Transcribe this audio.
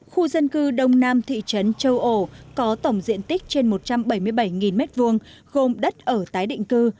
khu dân cư đông nam thị trấn châu ổ có tổng diện tích trên một trăm bảy mươi bảy m hai gồm đất ở tái định cư